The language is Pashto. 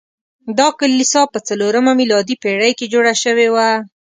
دا کلیسا په څلورمه میلادي پیړۍ کې جوړه شوې وه.